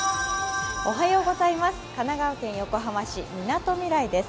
神奈川県横浜市みなとみらいです。